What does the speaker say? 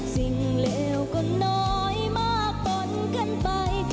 สิ่งเลวก็น้อยมากต้นกันไป